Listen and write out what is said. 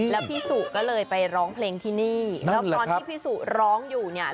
แล้วพี่สุก็เลยไปร้องเพลงที่นี่แล้วตอนที่พี่สุร้องอยู่เนี่ย